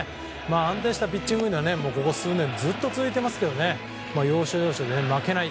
安定したピッチングがここ数年ずっと続いてますが要所要所で負けない。